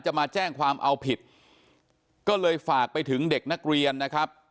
มาแจ้งความเอาผิดก็เลยฝากไปถึงเด็กนักเรียนนะครับ